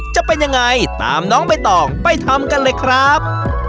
จะเป็นยังไงตามน้องใบตองไปทำกันเลยครับ